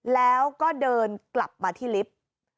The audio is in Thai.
แล้วก็เดินกลับมาที่ลิฟต์